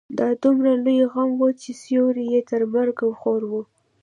دا دومره لوی غم و چې سيوری يې تر مرګه خور وي.